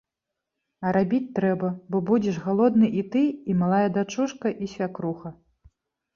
А рабіць трэба, бо будзеш галодны і ты, і малая дачушка, і свякруха.